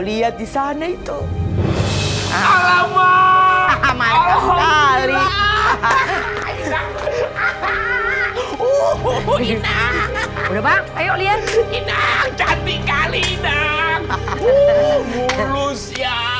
lihat di sana itu alamak alhamdulillah hahaha udah bang ayo lihat ini cantik kali inang mulus ya